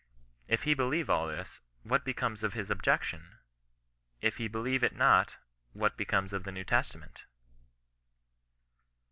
If he believe all this, what becomes of his objection ? If he believe it not, what becomes of the New Testament